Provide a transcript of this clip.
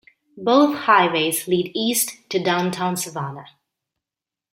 Both highways lead east to downtown Savannah.